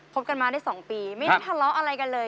บกันมาได้๒ปีไม่ได้ทะเลาะอะไรกันเลย